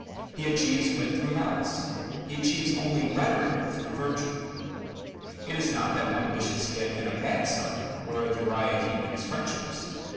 He achieves wit through malice: he achieves only rhetoric through virtue. It is not that one wishes he had been a bad son or a Uriah Heep in his friendships.